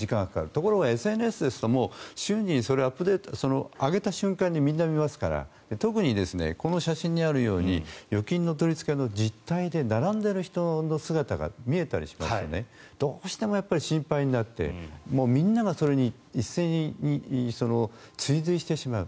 ところがＳＮＳですと上げた瞬間にみんな見ますからこの写真にあるように預金の取り付けの実態で並んでいる人の姿が見えたりしますとどうしても心配になってみんながそれに一斉に追随してしまう。